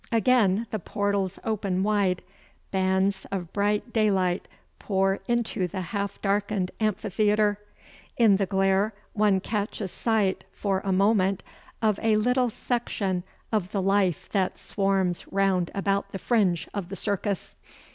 Again the portals open wide. Bands of bright daylight pour into the half darkened amphitheatre. In the glare one catches sight, for a moment, of a little section of the life that swarms round about the fringe of the Circus.